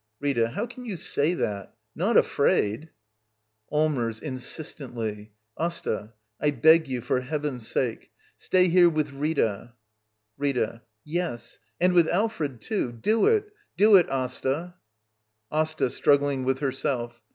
Rita. How can you say that I Not afraid ! ^^LLMERS. [Insistently.] Asta, I beg you — for ^Heaven's sake — stay here with Rita I Rita. Yes I And with Alfred, too! Doit! Do it, Asta! Asta. [Struggling with herself.